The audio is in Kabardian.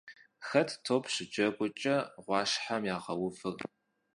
Хэт топ щыджэгукӀэ гъуащхьэм ягъэувыр?